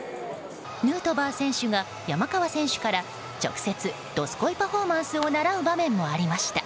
ヌートバー選手が山川選手から直接、どすこいパフォーマンスを習う場面もありました。